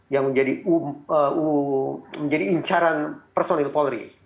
yang menjadi u menjadi incaran personil polri